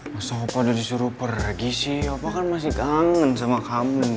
masa opa udah disuruh peragi sih opa kan masih kangen sama kamu